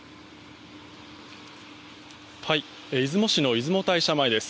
出雲市の出雲大社前です。